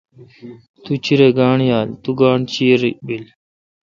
تو چیرہ گانٹھ یال۔۔تو گانٹھ چیر بیل۔